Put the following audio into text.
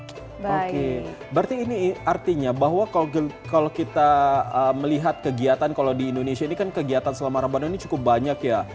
oke berarti ini artinya bahwa kalau kita melihat kegiatan kalau di indonesia ini kan kegiatan selama ramadan ini cukup banyak ya